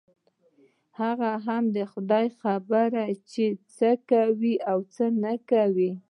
هغه هم خداى خبر چې څه کوي او څه نه کوي.